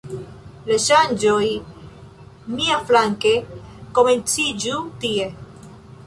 La ŝanĝoj, miaflanke, komenciĝu tie.